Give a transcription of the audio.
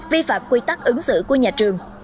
vi phạm quy tắc ứng xử của nhà trường